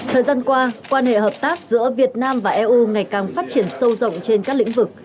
thời gian qua quan hệ hợp tác giữa việt nam và eu ngày càng phát triển sâu rộng trên các lĩnh vực